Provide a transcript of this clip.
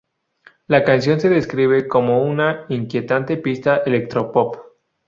La canción se describe como una "inquietante pista electropop.